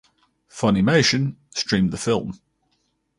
Funimation streamed the film.